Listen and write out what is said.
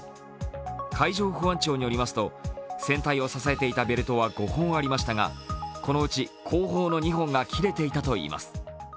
海上保安庁によりますと船体を支えていたベルトは５本ありましたがこのうち後方の２本が切れていたといいます。